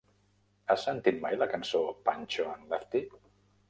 Has sentit mai la cançó "Pancho and Lefty"?